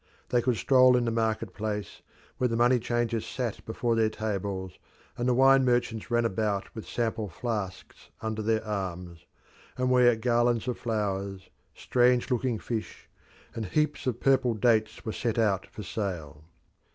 They could stroll in the market place, where the money changers sat before their tables and the wine merchants ran about with sample flasks under their arms, and where garlands of flowers, strange looking fish, and heaps of purple dates were set out for sale.